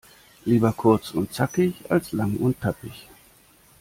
Lieber kurz und zackig, als lang und tappig..